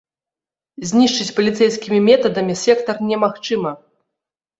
Знішчыць паліцэйскімі метадамі сектар немагчыма.